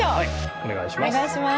お願いします。